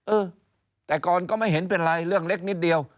เออแต่ก่อนก็ไม่เห็นเป็นไรเรื่องเล็กนิดเดียว